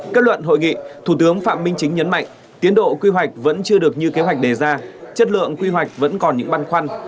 kết luận hội nghị thủ tướng phạm minh chính nhấn mạnh tiến độ quy hoạch vẫn chưa được như kế hoạch đề ra chất lượng quy hoạch vẫn còn những băn khoăn